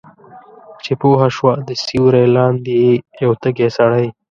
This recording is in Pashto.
چې پوهه شوه د سیوری لاندې یې یو تږی سړی